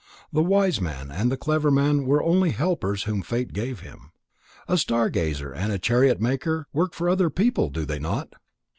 The wise man and the clever man were only helpers whom Fate gave him. A star gazer and a chariot maker work for other people, do they not?"